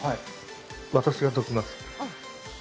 私がときます。